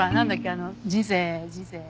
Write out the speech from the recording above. あの人生人生。